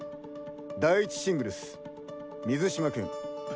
第１シングルス水嶋君。